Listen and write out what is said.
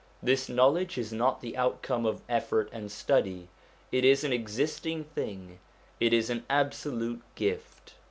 This knowledge is not the outcome of effort and study; it is an existing thing, it is an absolute gift.